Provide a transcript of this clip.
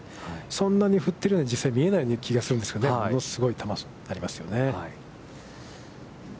そんなに振っているように実際、見えない気がするんですけど、物すごい球になりますよね。